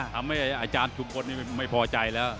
ทำให้อาจารย์ชุมกลไม่พอใจแล้ว